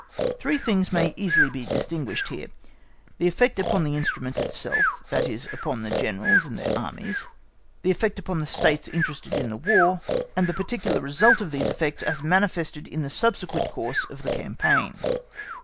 Three things may easily be distinguished here: the effect upon the instrument itself, that is, upon the Generals and their Armies; the effect upon the States interested in the War; and the particular result of these effects as manifested in the subsequent course of the campaign.